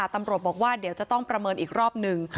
ตำรวจบอกว่าเดี๋ยวจะต้องประเมินอีกรอบหนึ่ง